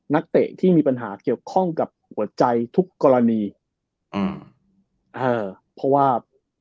นักเตะที่มีปัญหาเกี่ยวข้องกับหัวใจทุกกรณีอืมเออเพราะว่า